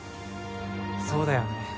そうだよね。